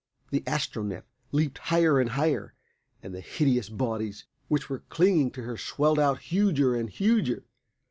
The Astronef leaped higher and higher, and the hideous bodies which were clinging to her swelled out huger and huger.